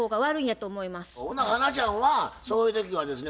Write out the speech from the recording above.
ほな花ちゃんはそういう時はですね